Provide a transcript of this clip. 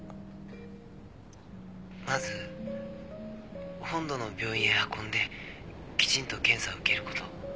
☎まず本土の病院へ運んできちんと検査を受けること。